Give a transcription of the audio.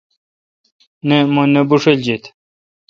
نہ مہ نہ بوݭلجیت۔